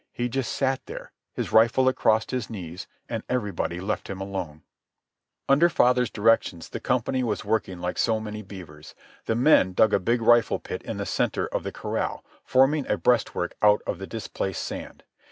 He just sat there, his rifle across his knees, and everybody left him alone. Under father's directions the company was working like so many beavers. The men dug a big rifle pit in the centre of the corral, forming a breastwork out of the displaced sand.